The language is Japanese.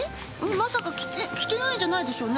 まさか着てないんじゃないでしょうね？